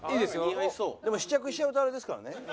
でも試着しちゃうとあれですからね。